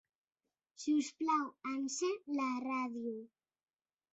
Si us plau, encén la ràdio.